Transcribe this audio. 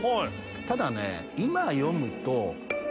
ただね。